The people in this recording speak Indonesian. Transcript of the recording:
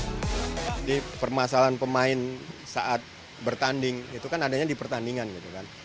jadi permasalahan pemain saat bertanding itu kan adanya di pertandingan gitu kan